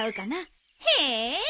へえ。